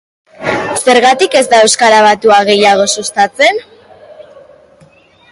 Zergatik ez da euskara batua gehiago sustatzen?